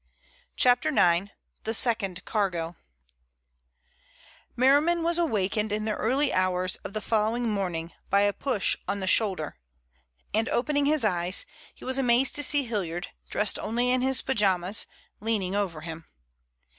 CHAPTER IX. THE SECOND CARGO Merriman was awakened in the early hours of the following morning by a push on the shoulder and, opening his eyes, he was amazed to see Hilliard, dressed only in his pajamas, leaning over him.